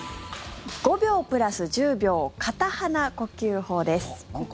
５秒プラス１０秒片鼻呼吸法です。